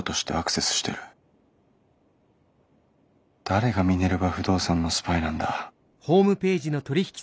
誰がミネルヴァ不動産のスパイなんだ。